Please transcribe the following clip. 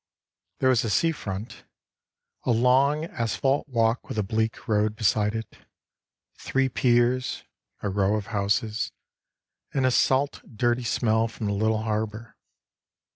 There was a sea front, A long asphalt walk with a bleak road beside it, Three piers, a row of houses, And a salt dirty smell from the little harbour.